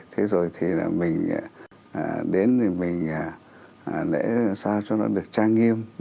thế rồi thì mình đến thì mình để sao cho nó được trang nghiêm